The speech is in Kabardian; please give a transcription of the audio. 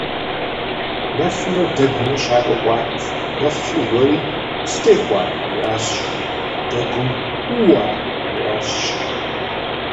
Нэфымрэ дэгумрэ щакӏуэ кӏуат. Нэфыр уэри: «сытехуа?» жиӏащ, жи. Дэгум: «ууа?» жиӏащ, жи.